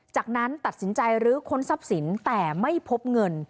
จากนั้นตัดสินใจลื้อค้นทรัพย์สินแต่ไม่พบเงิน